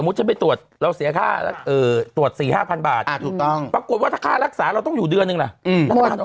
ตรวจที่ไหนเจอที่ไหนก็ต้องรักษาที่นั่น